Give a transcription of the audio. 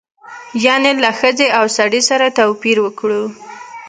یعنې له ښځې او سړي سره توپیر وکړو.